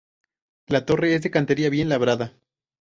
La torre es de cantería bien labrada.